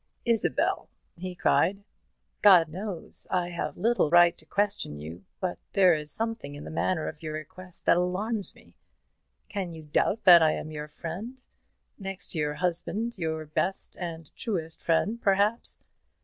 "Isabel," he cried, "God knows I have little right to question you; but there is something in the manner of your request that alarms me. Can you doubt that I am your friend, next to your husband your best and truest friend, perhaps?